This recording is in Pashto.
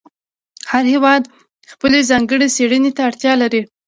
هر هېواد خپلې ځانګړې څېړنې ته اړتیا لري.